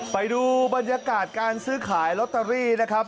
ไปดูบรรยากาศการซื้อขายลอตเตอรี่นะครับ